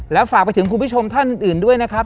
แล้วฝากไปถึงคุณผู้ชมท่านอื่นด้วยนะครับ